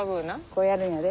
こうやるんやで。